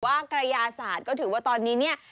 กระยาศาสตร์ก็ถือว่าตอนนี้เนี่ย